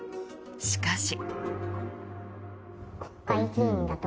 しかし。